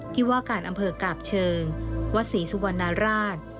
ที่ว่าการอำเภอกาบเชิงวัดศรีสุวรรณราช